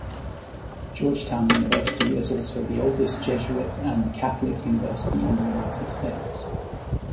Georgetown University is also the oldest Jesuit and Catholic university in the United States.